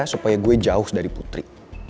supaya gue jauh dari putri